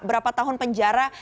berapa tahun penjara